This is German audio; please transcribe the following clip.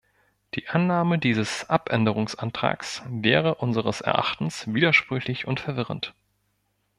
Die Annahme dieses Abänderungsantrags wäre unseres Erachtens widersprüchlich und verwirrend.